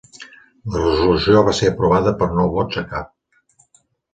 La resolució va ser aprovada per nou vots a cap.